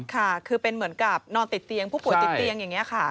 ค่ะคือเป็นเหมือนกับนอนติดเตียงผู้ป่วยติดเตียงอย่างนี้ค่ะ